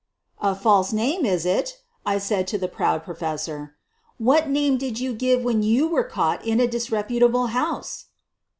* "A false name, is it?" I said to the proud pro fessor. "What name did you give when you were caught in a disreputable house?"